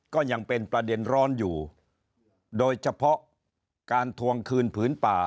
ก็ยังเป็นประเด็นร้อนอยู่โดยเฉพาะการทวงคืนผืนป่า